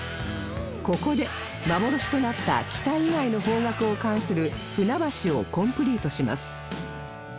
ここで幻となった北以外の方角を冠する船橋をコンプリートします